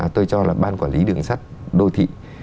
tôi cho là ban quản lý đường sắt đô thị